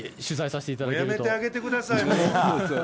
もうやめてあげてください。